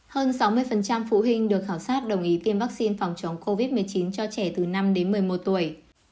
hơn sáu mươi phụ huynh được khảo sát đồng ý tiêm vaccine phòng chống covid một mươi chín cho trẻ từ năm đến một mươi một tuổi